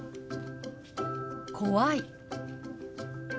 「怖い」。